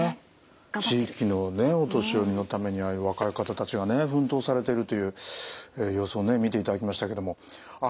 地域のお年寄りのためにああいう若い方たちがね奮闘されてるという様子をね見ていただきましたけども。